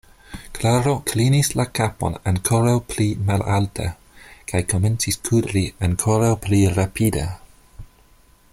Klaro klinis la kapon ankoraŭ pli malalte kaj komencis kudri ankoraŭ pli rapide.